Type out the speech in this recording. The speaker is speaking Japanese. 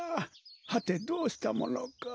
はてどうしたものか。